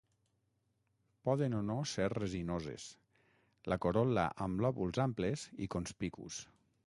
Poden o no ser resinoses. La corol·la amb lòbuls amples i conspicus.